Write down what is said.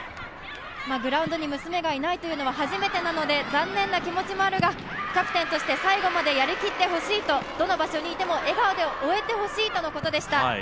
グラウンドに娘がいないというのは初めてなので残念な気持ちもあるがキャプテンとして最後までやりきってほしいとどの場所にいても笑顔で終えてほしいということでした。